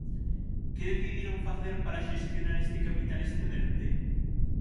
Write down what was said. ¿Que decidiron facer para xestionar este capital excedente?